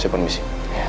saya pun misi